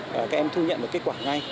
các em thu nhận một kết quả ngay